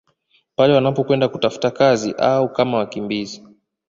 Pale wanapokwenda kutafuta kazi au kama wakimbizi